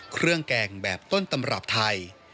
เครื่องแกงแบบต้นตำรับไทย